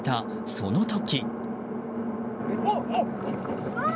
その時。